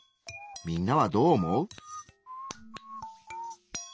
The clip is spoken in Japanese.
みんなはどう思う？